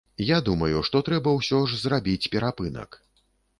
Я думаю, што трэба ўсе ж зрабіць перапынак.